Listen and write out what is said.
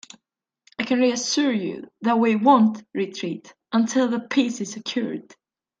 I can reassure you, that we won't retreat until the peace is secured.